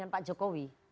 dan pak jokowi